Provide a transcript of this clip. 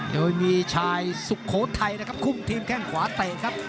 โดยมีชายสุโขทัยนะครับคุมทีมแข้งขวาเตะครับ